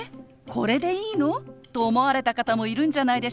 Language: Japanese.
これでいいの？」と思われた方もいるんじゃないでしょうか。